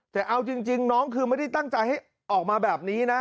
แต่เอาจริงน้องคือไม่ได้ตั้งใจให้ออกมาแบบนี้นะ